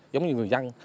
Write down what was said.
giống như người dân